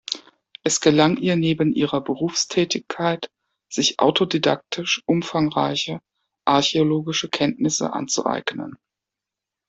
Es gelang ihr neben ihrer Berufstätigkeit, sich autodidaktisch umfangreiche archäologische Kenntnisse anzueignen.